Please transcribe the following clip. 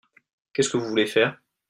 Qu'est-ce que vous voulez faire ?